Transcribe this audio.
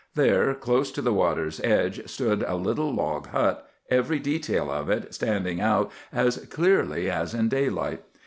There, close to the water's edge, stood a little log hut, every detail of it standing out as clearly as in daylight.